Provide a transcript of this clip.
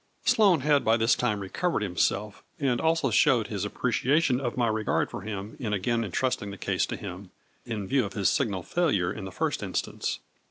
Sloane had by this time recovered himself, and also showed his appreciation of my regard for him in again entrusting the case to him, in view of his signal failure in the first instance.